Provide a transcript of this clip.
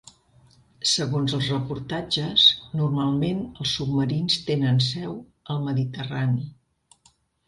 Segons els reportatges, normalment els submarins tenen seu al mediterrani.